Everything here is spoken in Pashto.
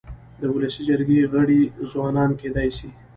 د ولسي جرګي غړي ځوانان کيدای سي.